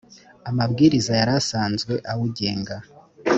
amabwiriza yari asanzwe awugenga